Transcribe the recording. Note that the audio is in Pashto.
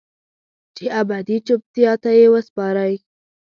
چې ابدي چوپتیا ته یې وسپارئ